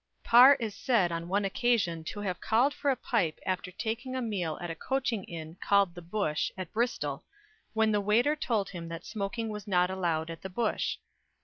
Parr is said on one occasion to have called for a pipe after taking a meal at a coaching inn called the "Bush" at Bristol, when the waiter told him that smoking was not allowed at the Bush.